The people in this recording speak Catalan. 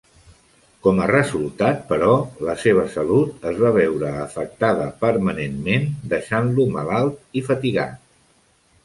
Com a resultat, però, la seva salut es va veure afectada permanentment, deixant-lo malalt i fatigat.